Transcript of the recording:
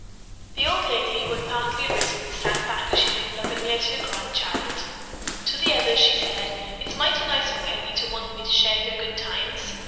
The old lady, who had partly risen, sank back as she looked lovingly at her grandchild. To the others she said: "It's mighty nice of Peggy to want me to share her good times.